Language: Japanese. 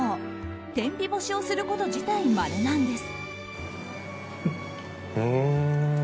天日干しすること自体まれなんです。